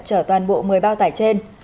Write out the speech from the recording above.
chở toàn bộ một mươi bao tải trên